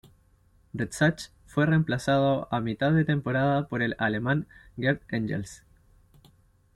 Rexach fue reemplazado a mitad de temporada por el alemán Gert Engels.